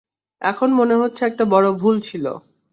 এখন মনে হচ্ছে এটা বড় ভুল ছিল।